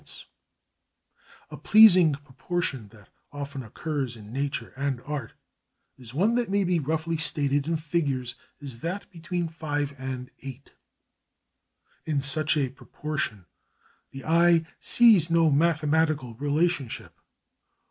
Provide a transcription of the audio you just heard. Photo Anderson] A pleasing proportion that often occurs in nature and art is one that may be roughly stated in figures as that between 5 and 8. In such a proportion the eye sees no mathematical relationship.